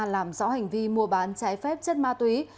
làm rõ hành vi mua bán trái phép chất ma túy